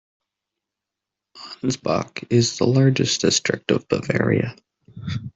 Ansbach is the largest district of Bavaria.